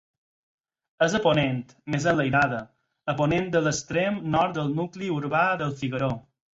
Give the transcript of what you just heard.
És a ponent, més enlairada, a ponent de l'extrem nord del nucli urbà del Figueró.